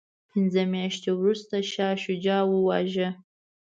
پنځه میاشتې وروسته شاه شجاع وواژه.